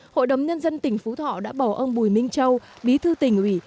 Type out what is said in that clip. hội đồng nhân dân tỉnh phú thọ đã bầu ông bùi minh châu bí thư tỉnh ủy